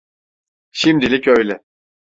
Şimdilik öyle.